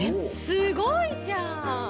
すごいじゃん！